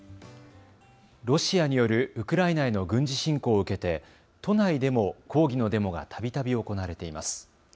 ロシアによるウクライナへの軍事侵攻を受けて都内でも抗議のデモがたびたび行われています。